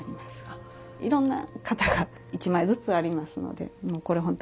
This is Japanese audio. いろんな型が１枚ずつありますのでこれ